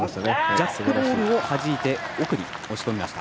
ジャックボールをはじいて奥に押し込みました。